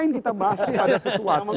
mengapa kita bahas kepada sesuatu